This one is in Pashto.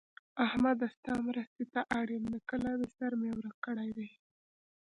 احمده! ستا مرستې ته اړ يم؛ د کلاوې سر مې ورک کړی دی.